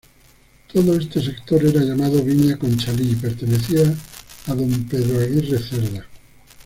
Todo este sector era llamado Viña Conchalí y pertenecía a don Pedro Aguirre Cerda.